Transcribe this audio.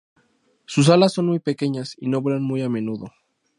Sus alas son muy pequeñas y no vuelan muy a menudo.